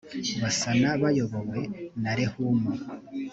basana bayobowe na rehumu